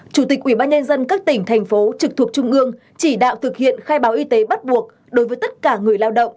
chủ tịch ủy ban nhân dân các tỉnh thành phố trực thuộc trung ương chỉ đạo thực hiện khai báo y tế bắt buộc đối với tất cả người lao động